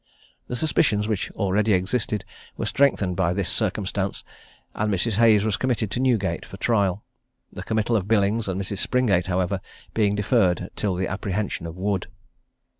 The suspicions which already existed were strengthened by this circumstance, and Mrs. Hayes was committed to Newgate for trial; the committal of Billings and Mrs. Springate, however, being deferred until the apprehension of Wood.